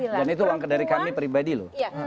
dan itu langkah dari kami pribadi loh